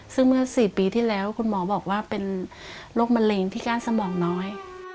ซึ่งเมื่อ๔ปีที่แล้วคุณหมอบอกว่าเป็นโรคมะเร็งที่ก้านสมองน้อย